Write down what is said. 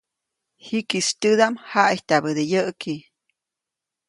Jikisy tyädaʼm jaʼityabäde yäʼki.